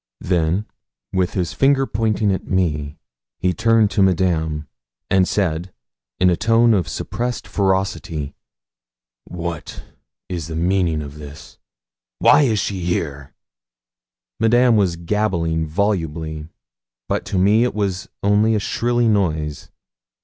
Then, with his finger pointing at me, he turned to Madame, and said, in a tone of suppressed ferocity 'What's the meaning of this? why is she here?' Madame was gabbling volubly, but to me it was only a shrilly noise.